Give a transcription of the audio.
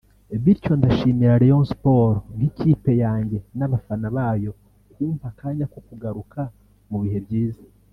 bityo ndashimira Rayon Sports nk’ikipe yanjye n’abafana bayo kumpa akanya ko kugaruka mu bihe byiza